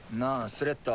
スレッタ。